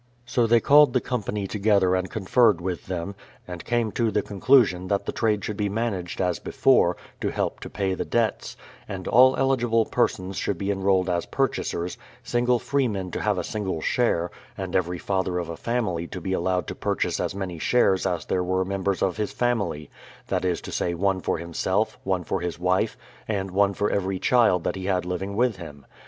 So they called the company together and conferred with them, and came to the conclusion that the trade should be managed as before, to help to pay the debts; and all eligible persons should be enrolled as purchasers, single free men to have a single share, and every father of a fam ily to be allowed to purchase as many shares as there were members of his family, — that is to say one for himself, one for his wife, and one for every child that he had living with him.